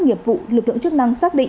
nghiệp vụ lực lượng chức năng xác định